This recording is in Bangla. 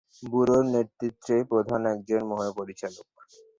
ব্যুরোর নেতৃত্বে প্রধান একজন মহাপরিচালক।